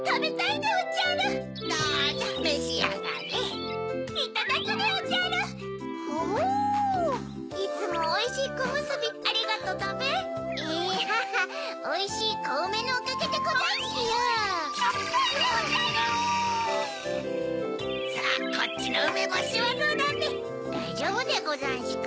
だいじょうぶでござんしゅか？